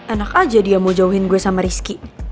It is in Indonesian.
enak aja dia mau jauhin gue sama rizky